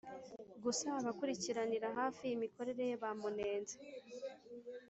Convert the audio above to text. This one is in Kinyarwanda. gusa abakurikiranira hafi imikorere ye bamunenze